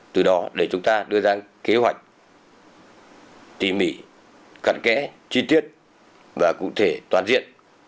từ đó để chúng ta đưa ra kế hoạch tỉ mỉ cận kẽ chi tiết và cụ thể toàn diện